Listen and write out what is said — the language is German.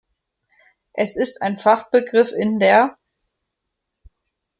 Es ist ein Fachbegriff in der